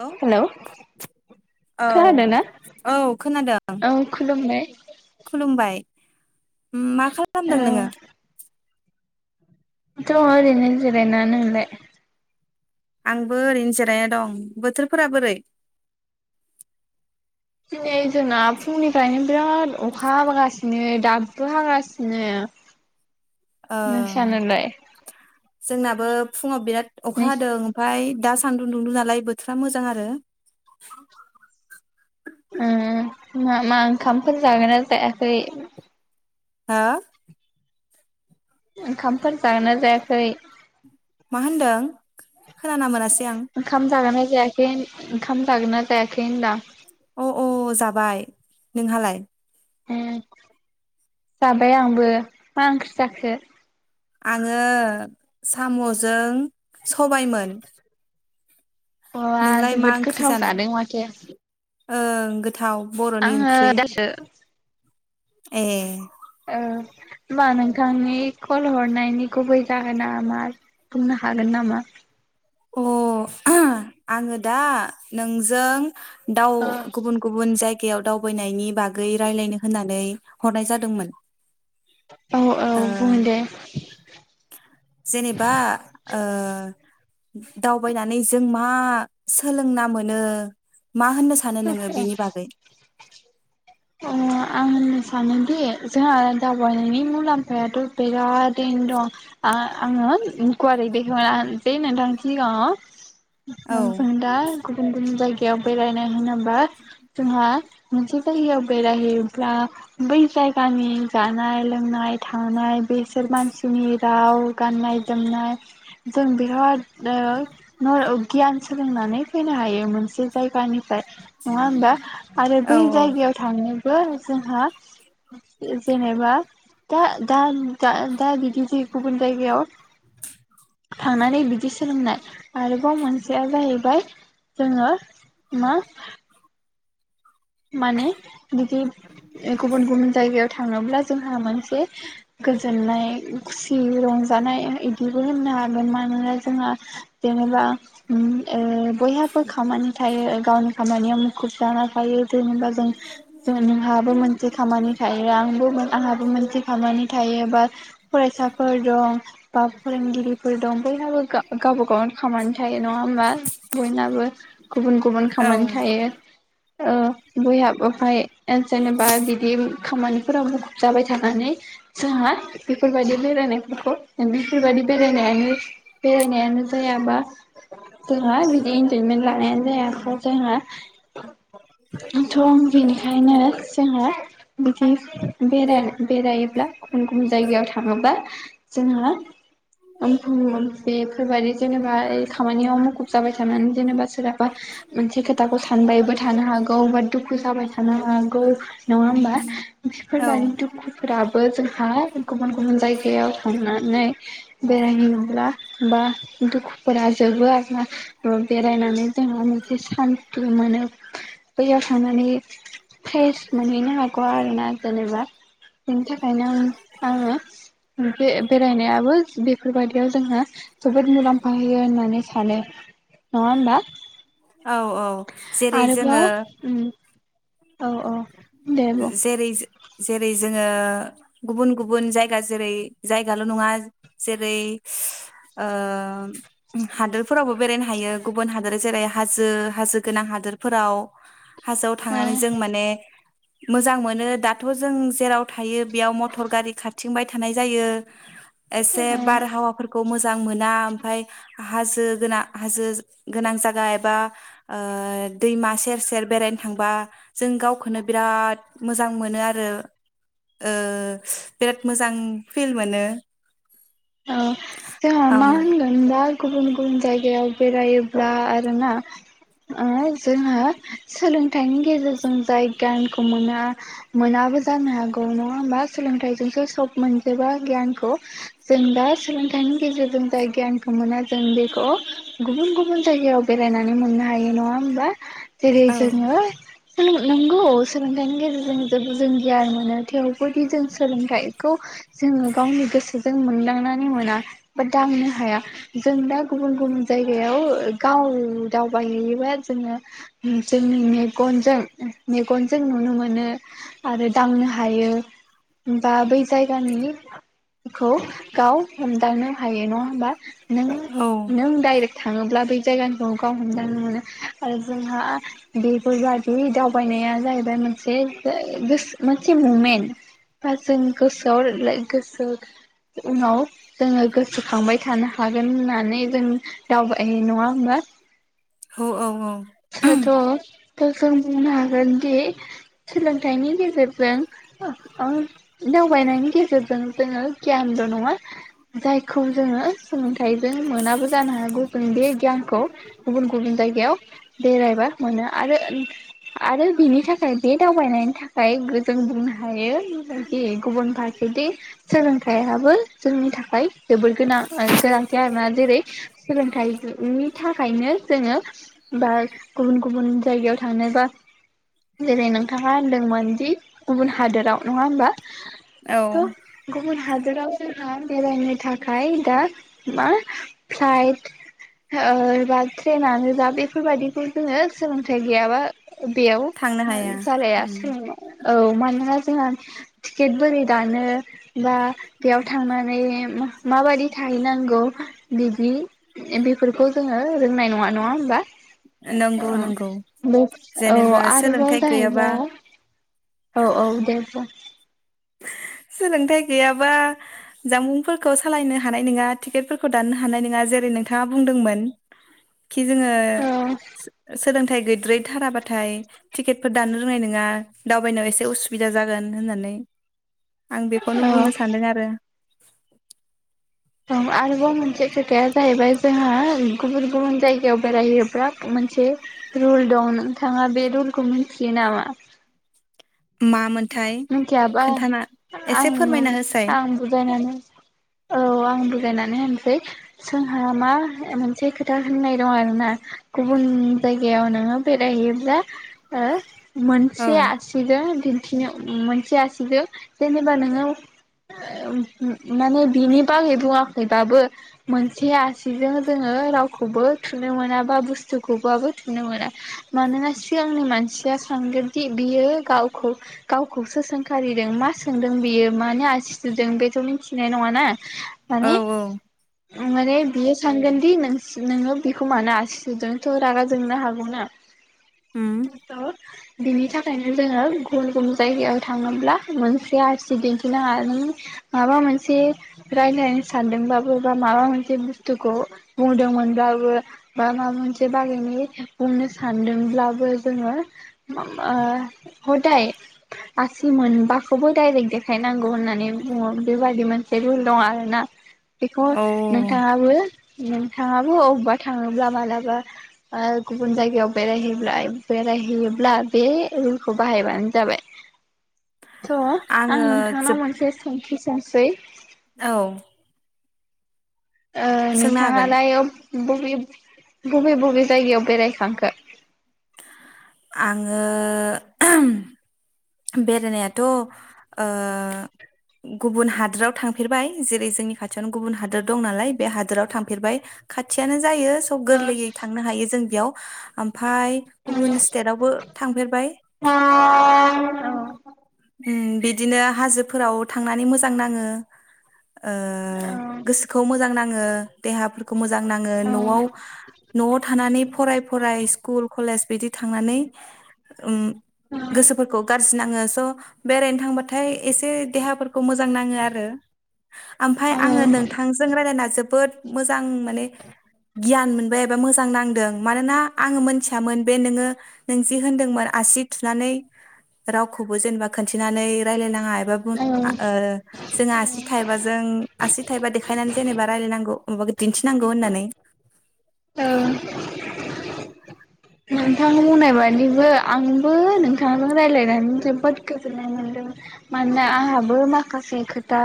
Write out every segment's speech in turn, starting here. औ हेलौ औ खोनादों ना औ खोनादों औ खुलुमबाय‌। खुलुमबाय मा खालामदों नोङो? दंङ ओरैनो जिरायनानै नोंलाय? आंबो ओरैनो जिरायना दं बोथोरफोरा बोरै‌? दिनै जोंना फुंनिफायनो बिराद अखा हाबोगासिनो। दाबो हागासिनो। ओं नोंसानालाय जोंनाबो फुङाव बिराद अखा हादों ओमफ्राय दा सान्दुं दुंदों नालाय बोथोरा मोजां आरो। मा मा ओंखामफोर जागोन ना जायाखै? हा? ओंखामफोर जागोन ना जायाखै? मा होनदों? खोनाना मोनासै आं। ओंखाम जागोना जायाखै ओंखाम जागोना जायाखै होनदां? अ अ जाबाय नोंहालाय? जाबाय आंबो मा ओंख्रि जाखो? आङो साम'जों सबायमोन। अ आ नोंलाय मा जोबोद ओंख्रि गोथाव जानाय? जादों माथो। ओं गो गोथाव बर'नि आङो ओंख्रि। दासो ए। औ होमबा नोंथांनि कल हरनायनि गुबै जाहोना मा बुंनो हागोन नामा? अ आङो दा नोंजों दाउ औ गुबुन गुबुन जायग कायाव दावबायनायनि बागै रायज्लायनो होननानै हरनाय जादोंमोन। औ ओ बुं दे। जेनेबा ओ। दावबायनानै जों मा मा सोलोंना मोनो मा होननो सानो नोङो बिनि बागै? ओ आं सानो दि जोंहा दावबायनायनि मुलाम्फायाथ' बिराद [unintelligible] आङो गुवारै बेखेवना होनोसै नोंथांनि औ सिगाङाव [unintelligible] दा गुबुन गुबुन जायगा [unintelligible] बेरायनाय होनोबा जोंहा मोनसे जायगायाव बेरायहैब्ला बै जायगानि जानाय, लोंनाय, थानाय, बेसोर मानसिनि राव गाननाय जोमनाय जों बिराद ओ गियान सोलोंनानै फैनो हायो मोनसे जायगानि निफ्राय नङा होमबा आरो औ बै जायगायाव थांनोबो जोंहा जेनेबा दा दा दा दा बिदि जे गुबुन जायगायाव थांनानै बिदि सोलोंनाय आरोबाव मोनसेया जाहैबाय जोङो मा माने बिदि ओ गुबुन गुबुन जायगायाव था थाङोब्ला जोंहा मोनसे गोजोननाय खुसि रंजानाय इदिबो होननो हागोन। मानोना जोंहा जेनेबा ओ बयहाबो खामानि थायो गावनि खामानियाव मुखुब जाना थायो। जेनेबा जों नोंहाबो मोनसे खामानि थायो आंबो आंहाबो मोनसे खामानि थायो बा फरायसाफोर दं बा फोरोंगिरिफोर दं बयहाबो गावबा गावनि खामानि थायो नङा होमबा बयनाबो गुबुन गुबुन औ खामानि थायो ओ बयहाबो ओमफाय ओ जेनेबा बिदि खामानि फोराव मुखुब जाबाय थानानै जोंहा बेफोरबायदि बेरायनायफोरखौ बेफोरबायदि बेरायनायानो बेरायनायानो जायाबा जोंहा बिदि इन्जयमेन्ट लानायानो जाया। जोंहा थ' बेनिखायनो जोंहा बिदिे बेराय बेरायोब्ला गुबुन गुबुन जायगायाव थाङोब्ला जोंहा [unintelligible] बेफोरबायदि जेनेबा खामानियाव मुखुब जाबाय थानानै जेनेबा सोरहाबा मोनसे खोथाखौ सानबायबो थानो हागौ गावबा दुखु जाबाय थानाङा [unintelligible] दुखु जाबायथानो हागौ नङा होमबा। औ बेफोरबायदि दुखुफोराबो जोंहा गुबुन गुबुन जायगायाव थांना नै बेरायहैब्ला बा दुखुफोरा जोबो आरोना। [unintelligible] बेरायनानै जोंहा [unintelligible] इसे सान्ति मोनो। बैयाव थांनानै फ्रेस मोनहैनो हागौ आरोना जेनेबा बिनि थाखायनो आङो बे बेरायनायाबो बेफोरबायदियाव जोंहा जोबोद मुलाम्फा होयो होननानै सानो नङा होमबा औ औ जेरै जोङो आरोबाव उम औ औ दे बुं जेरै जेरै जोङो गुबुऩ-गुबुन जायगा जेरै जायगाल' नङा जेरै ओ हादोरफोरावबो बेरायनो हायो गुबुन हादोर जेरै हाजो-हाजो गोनां हादोरफोराव हाजोआव औ थांनानै जों माने मोजां मोनो दाथ जों जेराव थायो बेयाव मटर गारि खाारथिंबाय थानाय जायो एसे बारहावाफोरखौ मोजां मोना ओमफाय हाजो गोनां हाजो गोनां जायगा एबा दैमा सेर-सेर बेरायनो थांबा जों गावखौनो बिराद मोजां मोनो आरो ओ बिराद मोजां फिल मोनो ओ जोंहा मा ओम होनगोन दा गुबुन-गुबुन जायगायाव बेरायोब्ला आरोना ओ जोंहा सोलोंथाइनि गेजेरजों जाय गियानखौ मोना मोनाबो जानो हागौ नंङा होमबा सोलोंथाइजोंसो सब मोनजोबो गियानखौ। जों दा सोलोंथाइनि गेजेरजों जाय गियानखौ मोना जों बेखौ गुबुन-गुबुन जायगायाव बेरायनानै मोननो हायो नंङा होमबा जेरै औ जोंङो नंगौ सोलोंथाइनि गेजेरजों जेबो जों गियान मोनो थेवबोदि जों सोलोंथाइखौ जोंङो गावनि गोसो जों मोनदांनानै मोना बा दांनो हाया जों दा गुबुन-गुबुन जायगायाव गाव दावबाय हैैयोबा जोङो जोंनि मेगनजों- मेगनजों नुनो मोनो आरो दांनो हायो बा बै जायगानि खौ गाव हमदांनो हायो नंङा होमबा नों-नों डाइरेक्ट थांङोब्ला बै जायगानिखौ गाव हमदानो मोनो आरो जोंहा बेफोर बादि दावबायनाया जाहैबाय मोनसे ओ गोसो मोनसे ममेन्ट बा जों गोसोआव लाक गोसो उनाव जोंङो गोसोखांबाय थानो हागोन होननानै जों दावबाय नंङा होमबा औ औ औ दा जों बुंनो हागोन दि सोलोंथाइनि गेजे [unintelligible] अ दावबायनायनि गेजेरजों जोंङो गियानल' नंङा जायखौ जोङो सोलोंथाइजों मोनाबो जानो हागौ बे गियानखौ गुबुन-गुबुन जायगायाव बेरायबा मोनो आरो-आरो बिनि थाखाय बे दावबायनायनि थाखाय गो जों बुंनो हायो दि गुबुन फारसेदि सोलों आबो जोंनि थाखाय जोबोद गोनां गोनांथि आरोना जेरै सोलोंथाइनि थाखायनो जोङो बा गुबुन-गुबुन जायगायाव थांनो बा जेरै नोंथांङा होनदोंमोनदि गुबुन हादोराव नंङा होमबा औ बुन हादराव हा बेरायनो थाखाय दा मा फ्लाइट ओ बा ट्रेनानो जा बेफोरबायादिखौ जोंङो सोलोंथाइ गैयाबा बेयाव थांनो हाया जालाया उम सों औ मानोना जोंहा टिकेट बोरै दानो बा बेयाव थांनानै माबायि थाहैनांगौ बिदि बेफोरखौ जोंङो रोंनाय नंङा होमबा? नंगौ नंगौ औ औ जेनेबा आरोजाय सोलोंथाइ गैयाबा जाहैबाय औ औ दे बुं। सोलोंथाइ गैयाबा जामबुंफोरखौ सालायनो हानाय नंङा टिकेटफोरखौ दाननो हानाय नंङा जेरै नोंथांङा बुंदोंमोन खि जोंङो औ सोलोंथाइ गैद्राय‌ थाराबाथाय टिकेटफोर दानो रोंनाय नंङा दावबायनो एसे उसुबिदा जागोन होननानै आं बेखौनो औ बुंनो सान्दों आरो। दं आरोबाव मोनसे खोथाया जाहैबाय जोंहा गुबुन-गुबुन जायगायाव बेरायहैबा मोनसे रुल दं नोंथांङा बे रुलखौ मिथियो नामा? मामोनथाय मिनथियाबा खोन्थाना आं एसे फोरमायना होसाय आंबो गायनानै औ आं बुजायनानै होनसै जोंहा मा मोनसे खोथा होननाय दं आरोना गुबुन जायगायाव नोंङो बेरायहैयोब्ला ओ औ मोनसे आसिजों दिन थिनो मोनसे आसिजों जेनेबा नोंङो माने बिनि बागै बुंङाखैबाबो मोनसे आसिजों जोंङो रावखौबो थुनो मोना बा बुस्थुखौबाबो थुनो मोना मानोना सिगांनि मानसिया सानगोनदि बियो गावखौ गावखौसो सोंखारिदों मा सोंदों बियो मानो आसिथुदों बेथ मिथिनाय नङाना? माने औ औ। माने बियो सानगोन दि नोंसो नोङो बिखौ मानो आसिसुदों थ रागा जोंनो हागौना बिनि थाखायनो जोङो। [inaudible] जायगायाव थाङोब्ला मोनसे आसि दिन्थिनाङा नों माबा मोनसे रायलायनो सानदोंबाबो बा माबा मोनसे बुस्थुखौ बुंदोंमोनब्लाबो बा माबा मोनसे बागैनि बुंनो सानदोंब्लाबो जोङो खदाय [inaudible] आसि मोनबाखोबो डाइरेक्ट देखायनांगौ होननानै बुङो बेबादिमोन। बे रुल दं आरोना। बेखौ औ नोंथाङाबो नों थाङाबो अबबा थाङोब्ला मालाबा ओ गुबुन जायगायाव बेरायहैब्ला-बेरायोहैब्ला बे रुलखौ बाहायबानो जाबाय। श आङो आं नोंथांनाव जोब मोनसे सोंथि सोंसै। औ ओ सोंनो हागोन नोंथाङालाय बबे-बबे बबे जायगायाव बेरायखांखो? आङो [inaudible] बेरायनायाथ ओ गुबुन हादोराव थांफेरबाय जेरै जोंनि खाथियावनो गुबुन हादोर दं नालाय बे हादोराव थांफेरबाय खाथियानो। जायो सब औ गोरलैयै थांनो हायो जों बेयाव। फाय गुबुन स्टेदावबो थांफेरबाय। ओम बिदिनो हाजोफोराव थांनानै मोजां नाङो। ओ गोसोखौ मोजां ना ङो देहाफोर खौ मोजां नआव-नआव थानानै फराय फराय स्कुल कलेज बिदि थांनानै ओम गोसो गाज्रि नाङो श बेरायनो थांबाथाय एसे देहाफोरखौ मोजां नाङो आरो आमफाय आङो नोंथांजों रायलायना जो बोद मोजां मोन [unintelligible] गियान मोनबाय एबा मोजां नांदों मानोना आङो मोनथियामोन बे नोङो नों जि होनदोंमोन आसि थुनानै रावखौबो जेनबा खोन्थिनानै रायलायना औ [unintelligible] ओ जों आसि थाइबाजों आसि थाइबा देखायनानै जेनेबा रायलायनांगौ [unintelligible] दिन्थिनांगौ होननानै। औ। नोंथां बुंनाय बादिबो आंबो नोंथांजों रायलायनानै जोबोद गोजोननाय मोनदों मानोना आंहाबो माखासे खोथा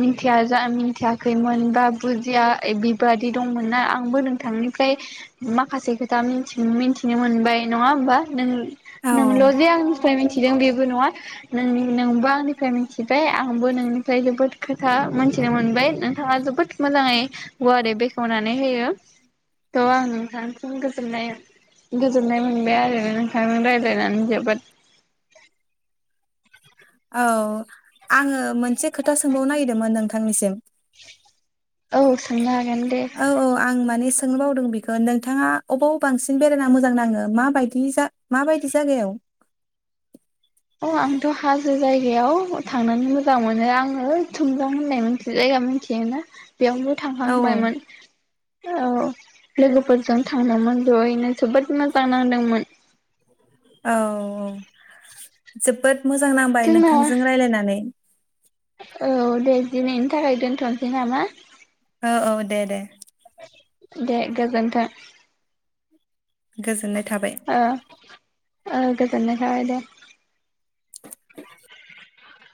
मिन्थिया जा मिथियाखैमोन बा बुजिया ऐ बिबादि दंमोनना आंबो नोंथांनिफ्राय माखासे खोथा मिन्थि-मिन्थि नो मोनबाय नङा होमबा नों औ नोंल जे आंनिफाय [unintelligible] थिदों बेबो नङा नों-नोंबो आंनिफ्राय मिन्थिबाय आंबो नोंनिफ्राय जोबोद खोथा मोनथिनो मोनबाय नोंथाङा जोबोद मोजाङै गुवारै बेखेवनानै होयो थ आं नोंथांसिम गोजोननाय गोजोननाय मोनबाय आरो नोंथांजों रायलायनानै जोबोद। औ आङो मोनसे खोथा सोंबावनो निरदोंमोन नोंथां थांनिसिम [unintelligible] औ सोंनो हागोन दे। औ औ आं माने सोंनो बावदों बेखौ नोंथाङा अबाव बांसिन बेरायना मोजां नाङो माबायदि जा माबायदि जायगायाव? अ आंथ' हाजो जायगायाव थांनानै मोजां मोनो आङो थुमजां होननाय मोनसे जायगा मिथियोना बेयावनो औ औ थांहांबायमोन औ। लोगोफोरजों थांदोंमोन जयैनो जोबोद मोजां नांदोंमोन। औ औ जोबोद मोजां नांबाय जोंना नोंथांजों रायलायनानै। औ दे दिनैनि थाखाय दोन्थ'नोसै नामा? औ औ दे दे। दे गोजोनथों। गोजोननाय थाबाय। आ ओ गोजोनाय थाबाय दे।